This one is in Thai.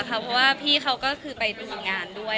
เพราะว่าพี่เขาก็คือไปทำงานด้วย